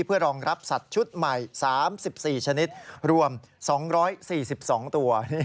เพื่อรองรับสัตว์ชุดใหม่๓๔ชนิดรวม๒๔๒ตัว